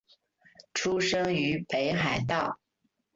出身于北海道。